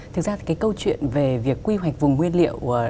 thực ra thì cái câu chuyện về việc quy hoạch vùng nguyên liệu